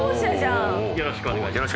よろしくお願いします。